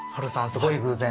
すごい偶然。